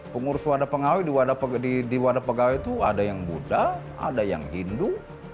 pengurus wadah pengawe di wadah pegawai itu ada yang buddha ada yang hindu